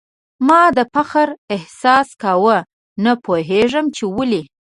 ما د فخر احساس کاوه ، نه پوهېږم چي ولي ؟